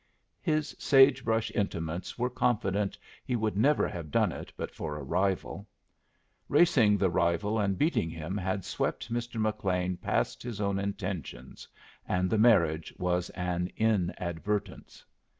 His sage brush intimates were confident he would never have done it but for a rival. Racing the rival and beating him had swept Mr. McLean past his own intentions, and the marriage was an inadvertence.